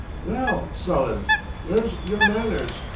"Well, sullen, w'ere's yer manners?